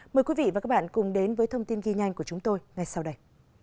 mời quý vị và các bạn cùng đến với thông tin ghi nhanh của chúng tôi ngay sau đây